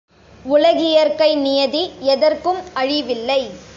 உலகியற்கை நியதி எதற்கும் அழிவில்லை.